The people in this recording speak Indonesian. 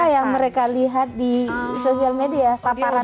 apa yang mereka lihat di sosial media paparan